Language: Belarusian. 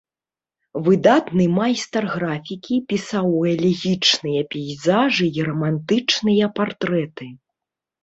Выдатны майстар графікі пісаў элегічныя пейзажы і рамантычныя партрэты.